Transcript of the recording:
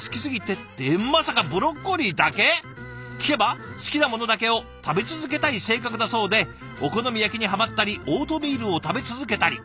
聞けば好きなものだけを食べ続けたい性格だそうでお好み焼きにハマったりオートミールを食べ続けたり。